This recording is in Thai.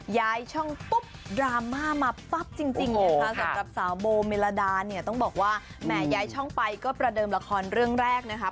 ย้ายช่องปุ๊บดราม่ามาปั๊บจริงนะคะสำหรับสาวโบเมลดาเนี่ยต้องบอกว่าแหมย้ายช่องไปก็ประเดิมละครเรื่องแรกนะคะ